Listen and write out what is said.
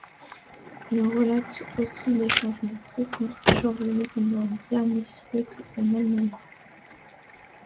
Ils relatent aussi les changements profonds survenus pendant le dernier siècle en Allemagne.